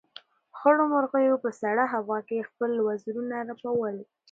خړو مرغیو په سړه هوا کې خپل وزرونه رپول.